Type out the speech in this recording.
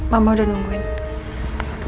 mama udah nungguin